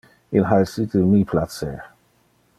Il ha essite mi placer.